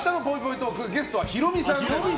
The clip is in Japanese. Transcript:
トークゲストはヒロミさんです。